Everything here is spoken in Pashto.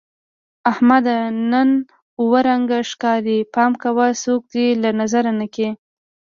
احمده! نن اووه رنگه ښکارې. پام کوه څوک دې له نظره نه کړي.